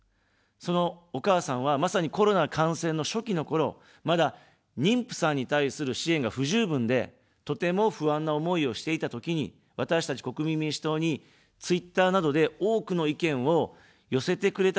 そのお母さんは、まさにコロナ感染の初期のころ、まだ妊婦さんに対する支援が不十分で、とても不安な思いをしていたときに、私たち国民民主党にツイッターなどで多くの意見を寄せてくれた人たちでした。